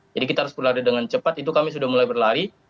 jadi kita harus berlari dengan cepat itu kami sudah mulai berlari